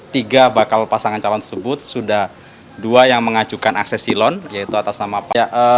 tiga bakal pasangan calon tersebut sudah dua yang mengajukan akses silon yaitu atas nama pak